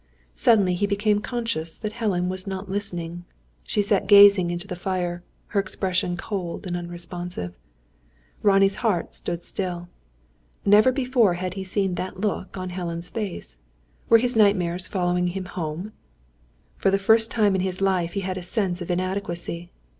Suddenly he became conscious that Helen was not listening. She sat gazing into the fire; her expression cold and unresponsive. Ronnie's heart stood still. Never before had he seen that look on Helen's face. Were his nightmares following him home? For the first time in his life he had a sense of inadequacy.